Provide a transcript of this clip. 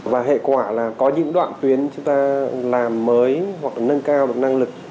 và hệ quả là có những đoạn tuyến chúng ta làm mới hoặc là nâng cao được năng lực